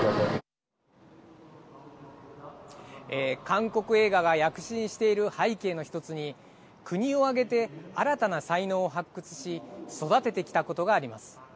韓国映画が躍進している背景の一つに国を挙げて新たな才能を発掘し育ててきたことがあります。